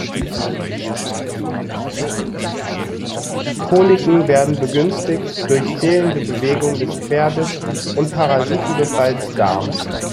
Koliken werden begünstigt durch fehlende Bewegung des Pferdes und Parasitenbefall des Darms.